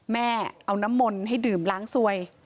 แม่เอาน้ำมนต์ให้ดื่มล้างสวย